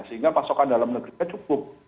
sehingga pasokan dalam negerinya cukup